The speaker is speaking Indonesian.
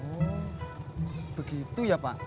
oh begitu ya pak